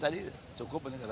tadi cukup ini salah saya